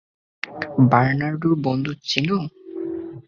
বার্নার্ডোর বন্ধু, চিনো?